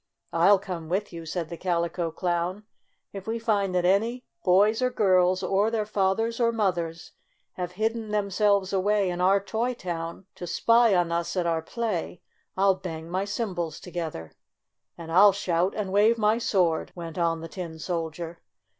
"I'll come with you," said the Calico Clown. " If we find that any boys or girls, or their fathers or mothers, have hidden themselves away in our Toy Town, to spy on us at our play, I'll bang my cymbals to gether." "And I'll shout and wave my sword," went on the Tin Soldier.